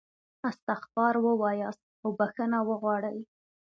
استغفار ووایاست او بخښنه وغواړئ.